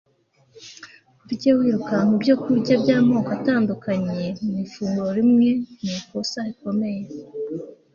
kurya wirukanka ibyokurya by'amoko atandukanye mu ifunguro rimwe ni ikosa rikomeye